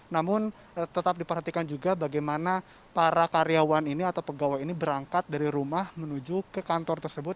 namun tetap diperhatikan juga bagaimana para karyawan ini atau pegawai ini berangkat dari rumah menuju ke kantor tersebut